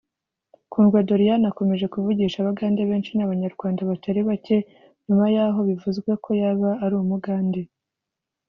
Kundwa Doriane akomeje kuvugisha abagande benshi n’abanyarwanda batari bacye nyuma y’aho bivuzwe ko yaba ari umugandekazi